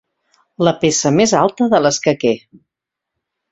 La peça més alta de l'escaquer.